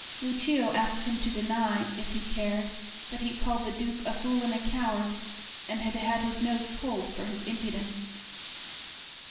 Lucio asked him to deny, if he dared, that he called the Duke a fool and a coward, and had had his nose pulled for his impudence.